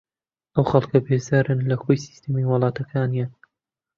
ئەو خەڵکە بێزارن لە کۆی سیستەمی وڵاتەکانیان